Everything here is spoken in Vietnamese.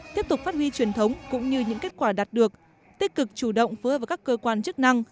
tiếp tục phát huy truyền thống cũng như những kết quả đạt được tích cực chủ động phối hợp với các cơ quan chức năng